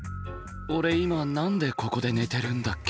俺今何でここで寝てるんだっけ？